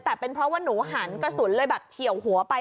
แต่เป็นเพราะว่าหนูหันกระสุนเลยแบบเฉียวหัวไป